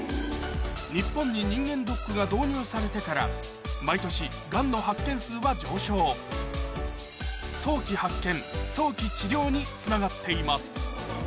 日本に人間ドックが導入されてから毎年がんの発見数は上昇につながっています